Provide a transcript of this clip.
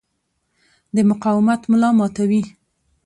د مقاومت ملا ماتوي.